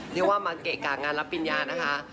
เรียกว่ามาเกะกะงานรับปริญญานะคะ